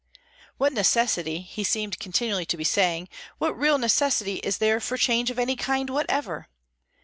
What necessity, he seemed continually to be saying, what real necessity is there for change of any kind whatever?